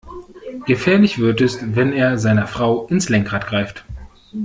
Gefährlich wird es, wenn er seiner Frau ins Lenkrad greift.